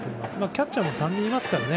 キャッチャーも３人いますからね。